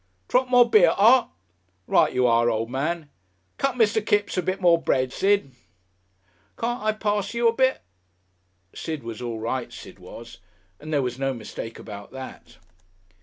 "Drop more beer, Art?" "Right you are, old man." "Cut Mr. Kipps a bit more bread, Sid." "Can't I pass you a bit?" Sid was all right, Sid was, and there was no mistake about that.